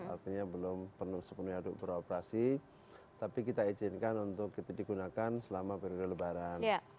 artinya belum penuh sepenuhnya untuk beroperasi tapi kita izinkan untuk digunakan selama periode lebaran